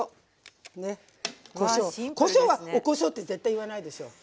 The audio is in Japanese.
こしょうはおこしょうって絶対言わないでしょう？